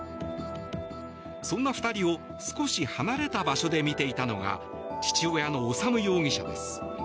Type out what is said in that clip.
そんな２人を少し離れた場所で見ていたのが父親の修容疑者です。